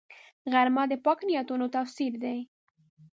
غرمه د پاک نیتونو تفسیر دی